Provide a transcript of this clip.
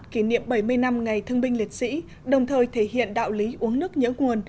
kỷ niệm bảy mươi năm ngày thương binh liệt sĩ đồng thời thể hiện đạo lý uống nước nhớ nguồn